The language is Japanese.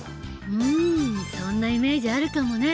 うんそんなイメージあるかもね。